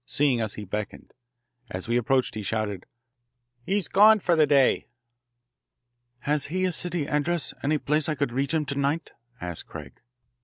Seeing us, he beckoned. As we approached he shouted, "He's gone for the day!" "Has he a city address any place I could reach him to night?" asked Craig.